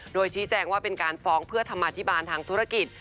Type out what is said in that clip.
โดยชี้แจงว่าเป็นการฟ้องเพื่อธรรมาธิบาลทางธุรกิจ